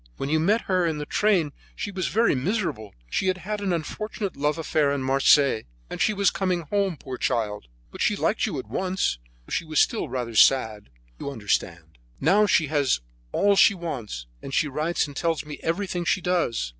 When you met her in the train she was very miserable; she had had an unfortunate love affair in Marseilles, and she was coming home, poor child. But she liked you at once, though she was still rather sad, you understand. Now she has all she wants, and she writes and tells me everything that she does.